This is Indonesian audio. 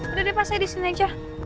udah deh pak saya di sini aja